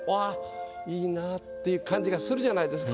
っていう感じがするじゃないですか。